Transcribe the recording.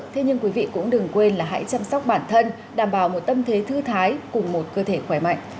thế nhưng quý vị cũng đừng quên là hãy chăm sóc bản thân đảm bảo một tâm thế thư thái cùng một cơ thể khỏe mạnh